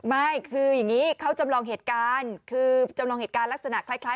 ไม่คืออย่างนี้เขาจำลองเหตุการณ์คือจำลองเหตุการณ์ลักษณะคล้าย